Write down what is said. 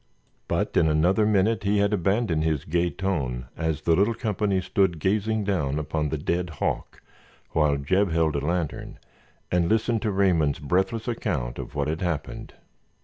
But in another minute he had abandoned his gay tone as the little company stood gazing down upon the dead hawk, while Jeb held a lantern, and listened to Raymond's breathless account of what had happened.